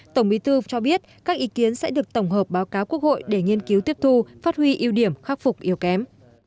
tổng bí thư cho biết các ý kiến sẽ được tổng hợp báo cáo quốc hội để nghiên cứu tiếp thu phát huy ưu điểm khắc phục yêu kém